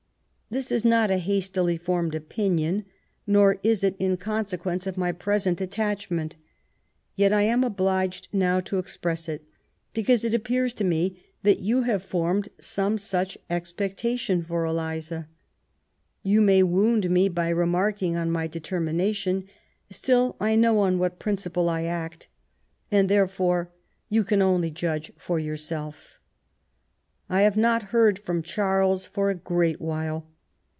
This is not a hastily formed opinion, nor is it in consequence of my present attachment, yet I am obliged now to express it because it appears to me that you have formed some such expectation for Eliza. You may wound me by remarking on my de termination, still I know on what principle I act, and therefore you 166 MAEY WOLLSTONEGBAFT GODWIN. can only jndge for yonrself . I have not hear4 from Charles for a great while.